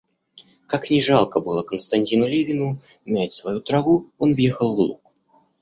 Как ни жалко было Константину Левину мять свою траву, он въехал в луг.